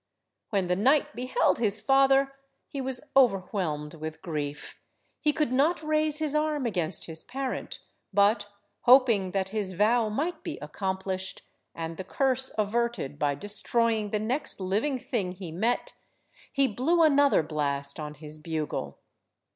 When the knight beheld his father he was overwhelmed with grief. He could not raise his arm against his parent, but, hoping that his vow might be accomplished, and the curse averted by destroying the next living thing he met, he blew another blast on his bugle.